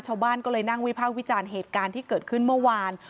ชาวบ้านก็เลยนั่งวิพากษ์วิจารณ์เหตุการณ์ที่เกิดขึ้นเมื่อวาน